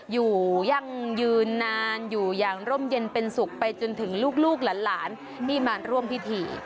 อยู่ยั่งยืนนานอยู่อย่างร่มเย็นเป็นสุขไปจนถึงลูกหลานที่มาร่วมพิธี